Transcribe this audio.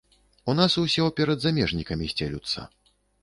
У нас усё перад замежнікамі сцелюцца.